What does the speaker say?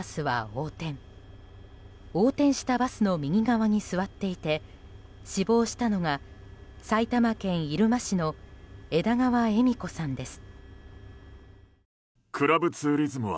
横転したバスの右側に座っていて死亡したのが埼玉県入間市の枝川恵美子さんです。